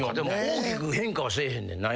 大きく変化はせえへんねんな。